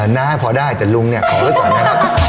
น้าพอได้แต่ลุงเนี่ยขอไว้ก่อนนะครับ